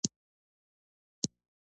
له هغه وروسته بېخي له منځه ولاړه شي.